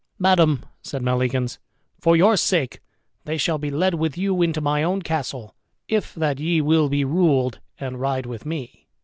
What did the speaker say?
"Madame," said Maleagans, "for your sake they shall be led with you into my own castle, if that ye will be ruled, and ride with me."